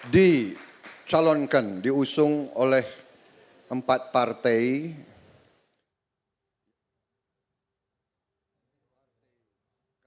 di calonkan diusung oleh empat panggilan umum republik indonesia